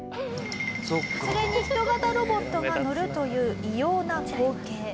それに人型ロボットが乗るという異様な光景。